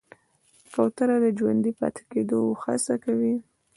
کوتره د ژوندي پاتې کېدو هڅه کوي.